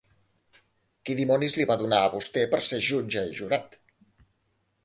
Qui dimonis li va donar a vostè per ser jutge i jurat.